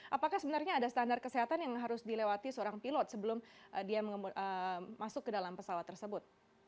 apakah sebenarnya ada standar kesehatan yang harus dilewati seorang pilot sebelum dia masuk ke dalam pesawat tersebut